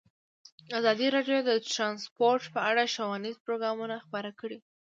ازادي راډیو د ترانسپورټ په اړه ښوونیز پروګرامونه خپاره کړي.